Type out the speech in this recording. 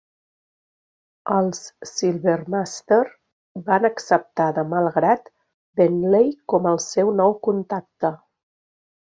Els Silvermaster van acceptar de mal grat Bentley com el seu nou contacte.